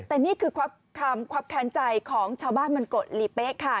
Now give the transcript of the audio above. แต่นี่คือความความแข็งใจของชาวบ้านบรรกฤตลิเป๊ะค่ะ